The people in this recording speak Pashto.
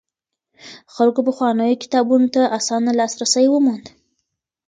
خلکو پخوانيو کتابونو ته اسانه لاسرسی وموند.